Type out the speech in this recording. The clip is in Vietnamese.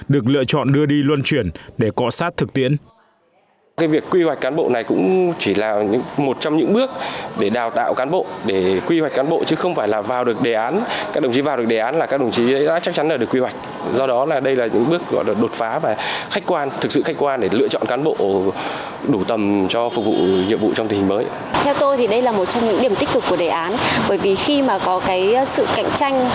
được lựa chọn đưa đi luân chuyển để co sát thực tiễn